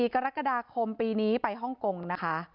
กรกฎาคมปีนี้ไปฮ่องกงนะคะ